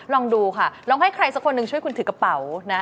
ลองดูค่ะลองให้ใครสักคนหนึ่งช่วยคุณถือกระเป๋านะ